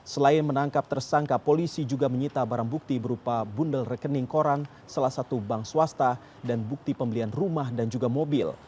selain menangkap tersangka polisi juga menyita barang bukti berupa bundel rekening koran salah satu bank swasta dan bukti pembelian rumah dan juga mobil